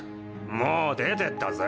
もう出てったぜ。